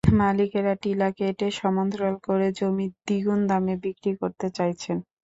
মালিকেরা টিলা কেটে সমান্তরাল করে জমি দ্বিগুণ দামে বিক্রি করতে চাইছেন।